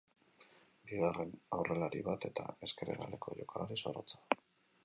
Bigarren aurrelari bat eta ezker hegaleko jokalari zorrotza.